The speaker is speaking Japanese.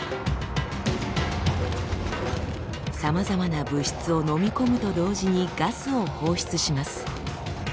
さまざまな物質をのみ込むと同時にガスを放出します。